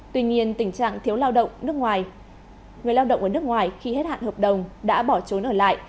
tuy nhiên tình trạng thiếu lao động ở nước ngoài khi hết hạn hợp đồng đã bỏ trốn ở lại